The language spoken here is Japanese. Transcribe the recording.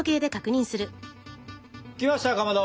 きましたかまど！